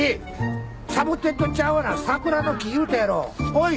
おい！